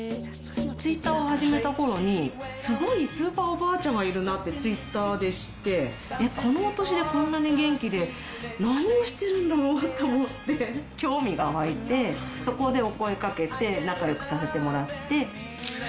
ツイッターを始めたころに、すごいスーパーおばあちゃんがいるなって、ツイッターで知って、えっ、このお年でこんなに元気で、何をしてるんだろうと思って、興味が湧いて、そこでお声かけて、仲よくさせてもらって。